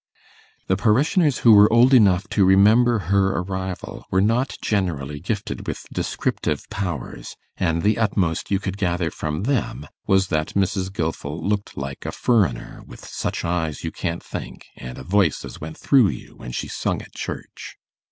The parishioners who were old enough to remember her arrival were not generally gifted with descriptive powers, and the utmost you could gather from them was, that Mrs. Gilfil looked like a 'furriner, wi' such eyes, you can't think, an' a voice as went through you when she sung at church.